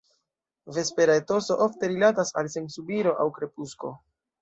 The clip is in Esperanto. Vespera etoso ofte rilatas al sunsubiro aŭ krepusko.